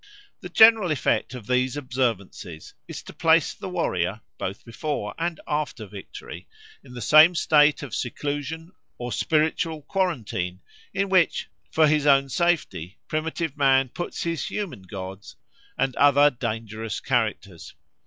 The general effect of these observances is to place the warrior, both before and after victory, in the same state of seclusion or spiritual quarantine in which, for his own safety, primitive man puts his human gods and other dangerous characters.